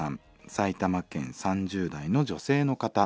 埼玉県３０代の女性の方。